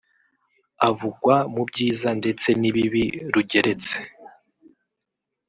avugwa mu byiza ndetse n’ibibi rugeretse